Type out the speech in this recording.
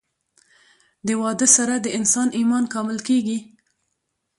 د واده سره د انسان ايمان کامل کيږي